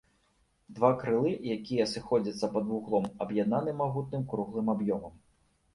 Два крылы, якія сыходзяцца пад вуглом, аб'яднаны магутным круглым аб'ёмам.